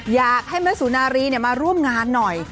อยากให้แม่สุนารีมาร่วมงานหน่อย